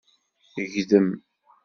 Gdem.